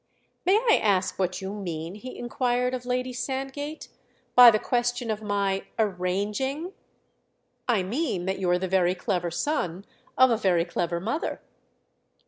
"May I ask what you mean," he inquired of Lady Sandgate, "by the question of my 'arranging'?" "I mean that you're the very clever son of a very clever mother."